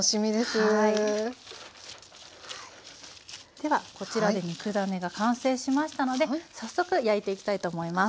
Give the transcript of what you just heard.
ではこちらで肉ダネが完成しましたので早速焼いていきたいと思います。